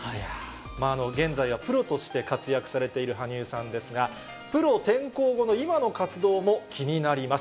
現在はプロとして活躍されている羽生さんですが、プロ転向後の今の活動も気になります。